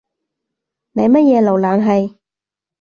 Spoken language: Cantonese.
你乜嘢瀏覽器？